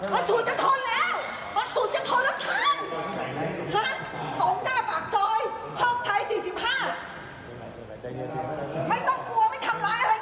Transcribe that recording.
ไม่ต้องกลัวไม่ทำร้ายอะไรทันหรอก